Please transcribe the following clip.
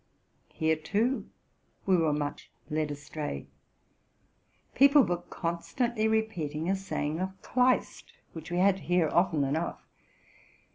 Here, too, we were much led astray. People were constantly re peating a saying of Kleist, which we had to hear often enough.